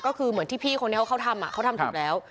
ก็คือเหมือนที่พี่คนนี้เขาทำเขาทำถูกแล้ว